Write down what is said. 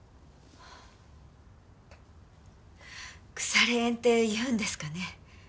腐れ縁っていうんですかね。